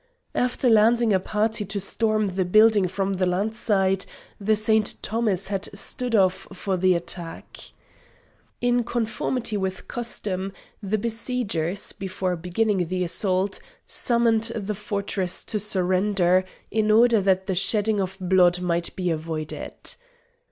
After landing a party to storm the building from the land side, the St. Thomas had stood off for the attack. In conformity with custom, the besiegers, before beginning the assault, summoned the fortress to surrender in order that the shedding of blood might be avoided.